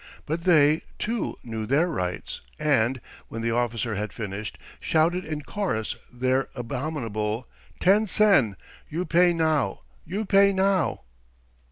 But they, too, knew their rights, and, when the officer had finished, shouted in chorus their abominable "Ten sen! You pay now! You pay now!"